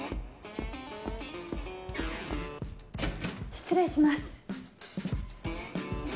失礼します。